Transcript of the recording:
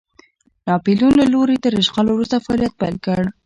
ناپلیون له لوري تر اشغال وروسته فعالیت پیل کړ.